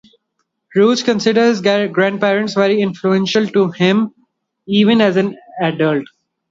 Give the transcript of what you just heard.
Roch considered his grandparents very influential on him, even as an adult.